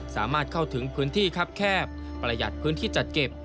สามารถเข้าถึงพื้นที่ครับแคบประหยัดพื้นที่จัดเก็บ